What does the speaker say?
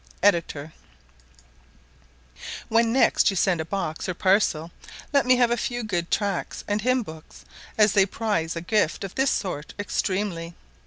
Ed.] When next you send a box or parcel, let me have a few good tracts and hymn books; as they prize a gift of this sort extremely.